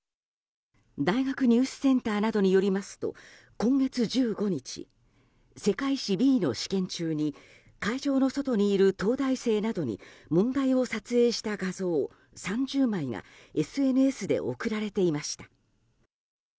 大学入試センターなどによりますと、今月１５日世界史Ｂの試験中に会場の外にいる東大生などに問題を撮影した画像３０枚がＳＮＳで送られていました。